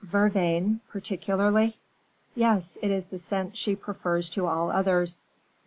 "Vervain, particularly." "Yes, it is the scent she prefers to all others."